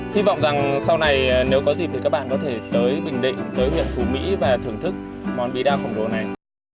hy vọng rằng sau này nếu có dịp thì các bạn có thể tới bình định tới huyện phù mỹ và thưởng thức món bí đa khổng lồ này